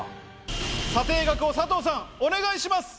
査定額を佐藤さんお願いします！